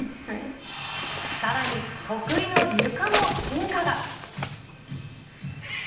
さらに、得意のゆかも進化が。